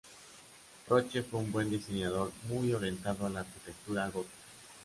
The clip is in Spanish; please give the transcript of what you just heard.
Roche fue un buen diseñador muy orientado a la arquitectura gótica.